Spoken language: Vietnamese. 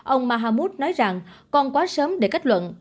ông mahammut nói rằng còn quá sớm để kết luận